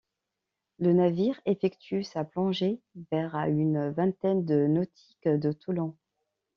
Le navire effectue sa plongée vers à une vingtaine de nautiques de Toulon.